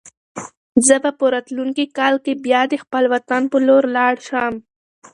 زه به په راتلونکي کال کې بیا د خپل وطن په لور لاړ شم.